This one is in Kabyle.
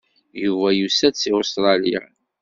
Yuba yusa-d seg Ustṛalya.